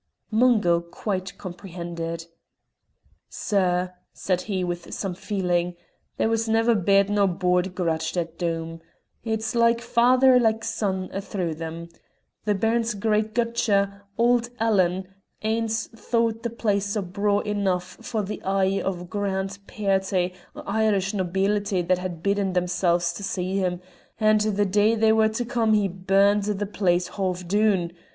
Mungo quite comprehended. "Sir," said he, with some feeling, "there was never bed nor board grudged at Doom. It's like father like son a' through them. The Baron's great gutcher, auld Alan, ance thought the place no' braw enough for the eye o' a grand pairty o' Irish nobeelity that had bidden themsel's to see him, and the day they were to come he burned the place hauf doon.